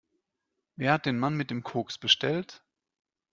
Wer hat den Mann mit dem Koks bestellt?